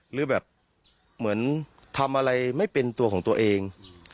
หรือแบบเหมือนทำอะไรไม่เป็นตัวของตัวเอง